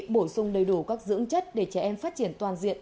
bổ sung đầy đủ các dưỡng chất để trẻ em phát triển toàn diện